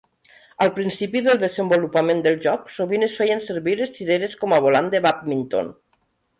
Al principi del desenvolupament del joc, sovint es feien servir les cireres com a volant de bàdminton.